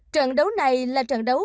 trận đấu này là trận đấu